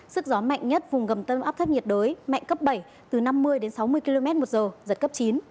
sức gió mạnh nhất vùng gần tâm áp thấp nhiệt đới mạnh cấp bảy từ năm mươi đến sáu mươi km một giờ giật cấp chín